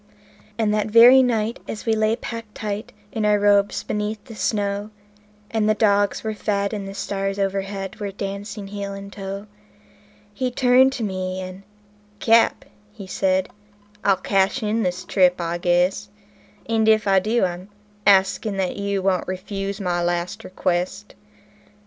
And that very night, as we lay packed tight in our robes beneath the snow, And the dogs were fed, and the stars o'erhead were dancing heel and toe, He turned to me, and "Cap," says he, "I'll cash in this trip, I guess; And if I do, I'm asking that you won't refuse my last request."